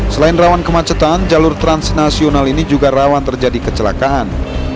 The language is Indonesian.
selain rawan kemacetan jalur transnasional ini juga terjadi kemacetan panjang